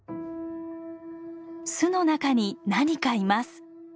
巣の中に何かいます。